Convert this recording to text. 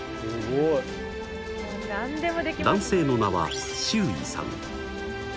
男性の名は周偉さん。